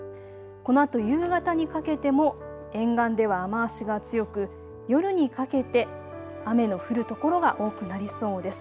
このあと夕方にかけても沿岸では雨足が強く、夜にかけて雨の降る所が多くなりそうです。